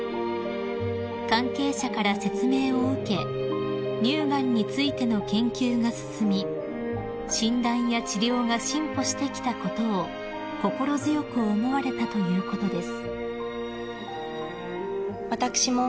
［関係者から説明を受け乳がんについての研究が進み診断や治療が進歩してきたことを心強く思われたということです］